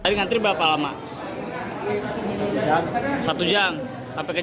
ini udah berapa lama antre